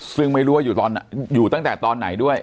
ซึ่งไม่รู้ว่าอยู่ตั้งแต่ตอนไหนด้วย